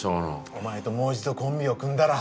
お前ともう一度コンビを組んだら。